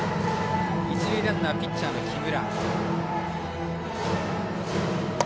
一塁ランナーはピッチャーの木村。